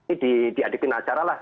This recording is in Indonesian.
ini diadepin acara lah